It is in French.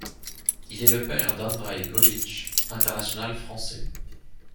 Il est le père d'Andrej Golić, international français.